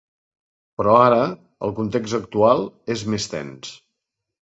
Però ara el context actual és més tens.